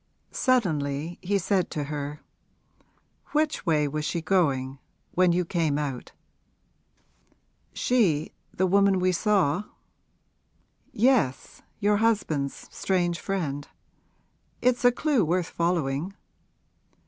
Suddenly he said to her: 'Which way was she going, when you came out?' 'She the woman we saw?' 'Yes, your husband's strange friend. It's a clew worth following.'